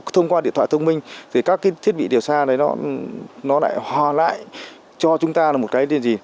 thông qua điện thoại thông minh thì các cái thiết bị điều xa đấy nó lại hòa lại cho chúng ta là một cái gì